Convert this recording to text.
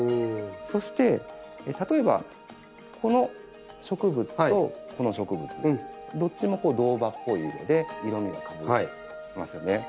そして例えばこの植物とこの植物どっちも銅葉っぽい色で色みがかぶってますよね。